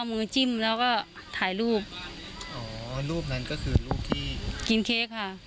มือจิ้มแล้วก็ถ่ายรูปอ๋อรูปนั้นก็คือรูปที่กินเค้กค่ะ